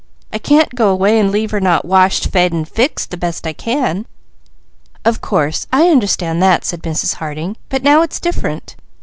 "I can't go away and leave her not washed, fed, and fixed the best I can." "Of course I understand that," said Mrs. Harding, "but now it's different.